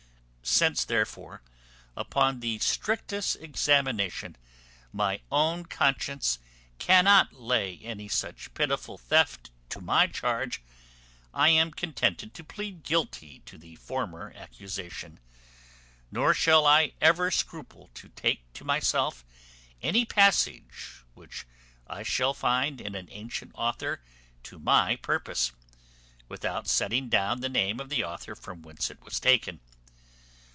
Since, therefore, upon the strictest examination, my own conscience cannot lay any such pitiful theft to my charge, I am contented to plead guilty to the former accusation; nor shall I ever scruple to take to myself any passage which I shall find in an antient author to my purpose, without setting down the name of the author from whence it was taken.